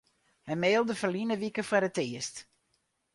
Hy mailde ferline wike foar it earst.